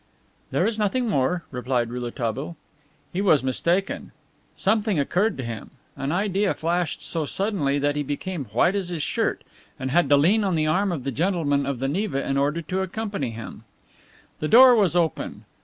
"There is nothing more," replied Rouletabille. He was mistaken. Something occurred to him, an idea flashed so suddenly that he became white as his shirt, and had to lean on the arm of the gentleman of the Neva in order to accompany him. The door was open.